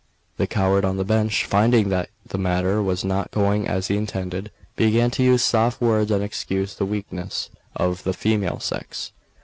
The coward on the bench, finding that the matter was not going as he intended, began to use soft words and excuse the weakness of the female sex.